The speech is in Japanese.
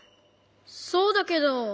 そうだけど。